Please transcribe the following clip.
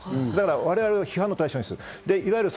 我々を批判の対象にする。